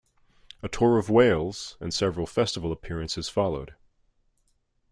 A tour of Wales and several festival appearances followed.